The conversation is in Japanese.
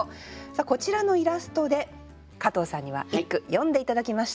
こちらのイラストで加藤さんには一句詠んで頂きました。